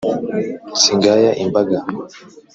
singaya imbaga